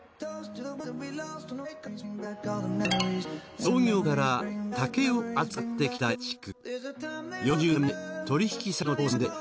創業から竹を扱ってきたヤマチク。